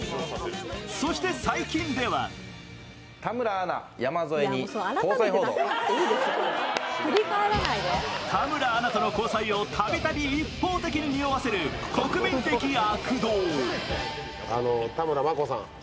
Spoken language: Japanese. そして最近では田村アナとの交際をたびたび一方的ににおわせる国民的悪童。